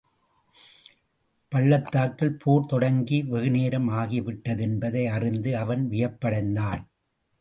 பள்ளத்தாக்கில் போர் தொடங்கி வெகுநேரம் ஆகிவிட்டதென்பதை அறிந்து அவன் வியப்படைந்தான்.